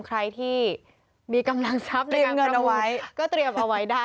ใครที่มีกำลังทรัพย์ในการเงินเอาไว้ก็เตรียมเอาไว้ได้